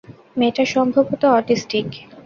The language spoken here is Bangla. মেয়েটা সম্ভবত অটিস্টিক।